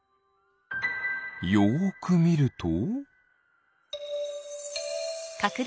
よくみると。